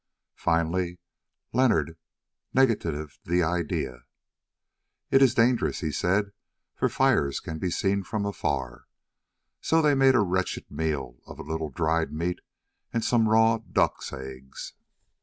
Finally Leonard negatived this idea. "It is dangerous," he said, "for fires can be seen from afar." So they made a wretched meal off a little dried meat and some raw duck's eggs.